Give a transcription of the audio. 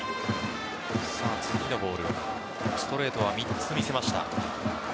次のボールストレートは３つ見せました。